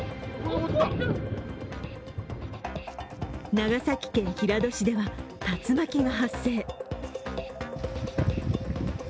長崎県平戸市では竜巻が発生。